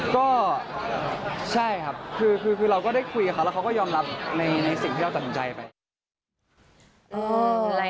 ก็ใช่ครับคือเราก็ได้คุยกับเขาแล้วเขาก็ยอมรับในสิ่งที่เราตัดสินใจไป